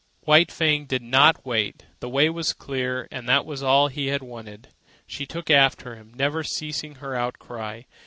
White Fang did not wait. The way was clear, and that was all he had wanted. She took after him, never ceasing her outcry.